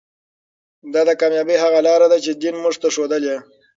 دا د کامیابۍ هغه لاره ده چې دین موږ ته ښودلې.